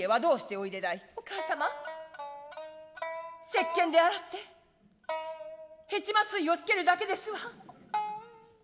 「お母様石鹸で洗ってヘチマ水をつけるだけですわ」。